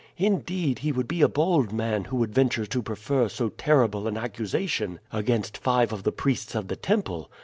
Indeed, he would be a bold man who would venture to prefer so terrible an accusation against five of the priests of the temple.